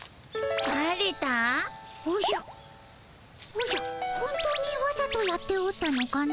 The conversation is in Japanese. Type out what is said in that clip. おじゃ本当にわざとやっておったのかの？